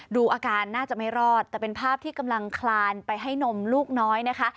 ดูอาการน่าจะไม่รอดแต่เป็นภาพที่กำลังคลานไปให้นมลูกน้อยนะคะ